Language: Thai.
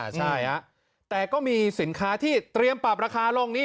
ใช่แต่ก็มีสินค้าที่เตรียมปรับราคาลงนี่